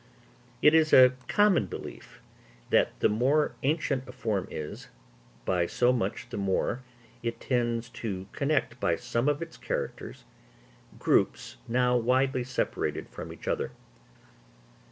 It is a common belief that the more ancient a form is, by so much the more it tends to connect by some of its characters groups now widely separated from each other.